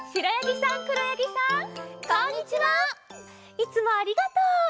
いつもありがとう！